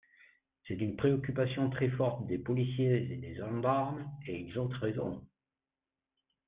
C’est une préoccupation très forte des policiers et des gendarmes, et ils ont raison.